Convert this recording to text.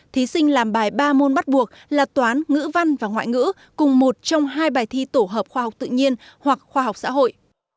thí sinh làm bài ba môn bắt buộc là toán ngữ văn và ngoại ngữ cùng một trong hai bài thi tổ hợp khoa học tự nhiên hoặc khoa học xã hội